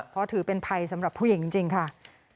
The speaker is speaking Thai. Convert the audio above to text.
เพราะถือเป็นภัยสำหรับผู้หญิงจริงค่ะ